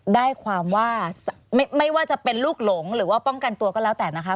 ได้ความว่าไม่ว่าจะเป็นลูกหลงหรือว่าป้องกันตัวก็แล้วแต่นะคะ